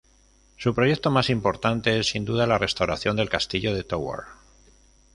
Su proyecto más importantes es, sin duda, la restauración del castillo de Toward.